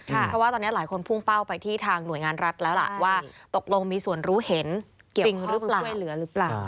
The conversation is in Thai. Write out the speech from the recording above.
เพราะว่าตอนนี้หลายคนพุ่งเป้าไปที่ทางหน่วยงานรัฐแล้วล่ะว่าตกลงมีส่วนรู้เห็นเกี่ยวจริงหรือเปล่าช่วยเหลือหรือเปล่า